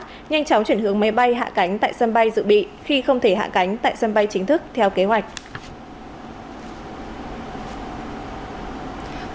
nhanh chóng chuyển hướng máy bay hạ cánh tại sân bay dự bị khi không thể hạ cánh tại sân bay chính thức theo kế hoạch